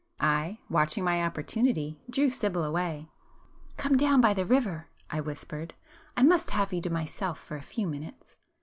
I, watching my opportunity, drew Sibyl away. "Come down by the river;"—I whispered—"I must have you to myself for a few minutes."